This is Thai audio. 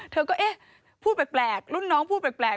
เธอก็เอ๊ะพูดแปลกรุ่นน้องพูดแปลก